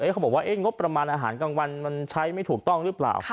เขาบอกว่างบประมาณอาหารกลางวันมันใช้ไม่ถูกต้องหรือเปล่า